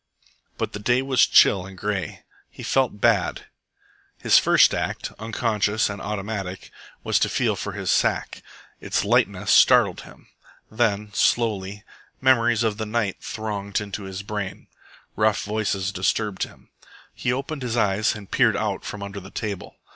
But the day was chill and grey. He felt bad. His first act, unconscious and automatic, was to feel for his sack. Its lightness startled him. Then, slowly, memories of the night thronged into his brain. Rough voices disturbed him. He opened his eyes and peered out from under the table.